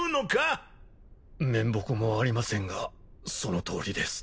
面目もありませんがそのとおりです。